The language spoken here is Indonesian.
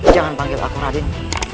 jangan panggil aku radin